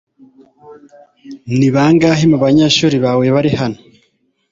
Ni bangahe mu banyeshuri bawe bari hano?